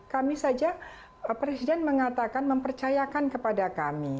kami saja presiden mengatakan mempercayakan kepada kami